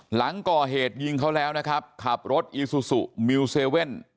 หลังก่อเหตุยิงเขาแล้วนะครับขับรถอีซูซูมิวเซเว่น